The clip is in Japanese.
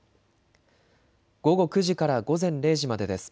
午後９時から午前０時までです。